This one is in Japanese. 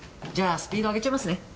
じゃあスピード上げちゃいますね。